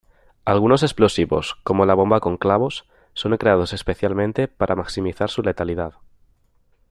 Algunos explosivos, como la bomba con clavos, son creados especialmente para maximizar su letalidad.